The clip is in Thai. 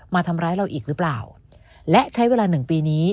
มาทำร้ายเราอีกหรือเปล่าและใช้เวลาหนึ่งปีนี้